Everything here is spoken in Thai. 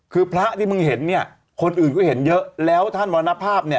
คือพระที่มึงเห็นคนอื่นก็เห็นเยอะแล้วท่านวรรณภาพ